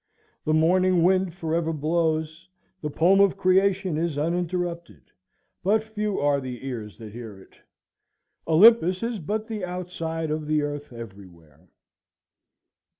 The morning wind forever blows, the poem of creation is uninterrupted; but few are the ears that hear it. Olympus is but the outside of the earth every where.